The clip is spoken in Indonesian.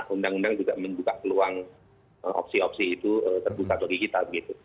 undang undang juga membuka peluang opsi opsi itu terbuka bagi kita begitu